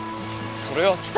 それは。